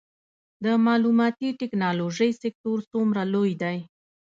د معلوماتي ټیکنالوژۍ سکتور څومره لوی دی؟